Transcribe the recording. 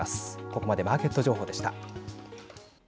ここまでマーケット情報でした。